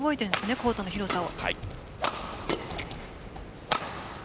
コートの広さを。